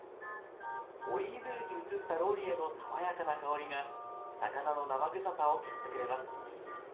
オリーブ油に移ったローリエの爽やかな香りが魚の生臭さを消してくれます